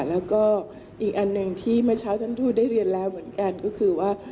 แล้วก็อีกอันหนึ่งที่เมื่อเช้าท่านทูตได้เรียนแล้วเหมือนกันก็คือว่า